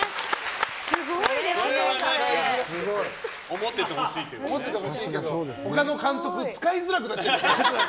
思っててほしいけど他の監督使いづらくなっちゃう。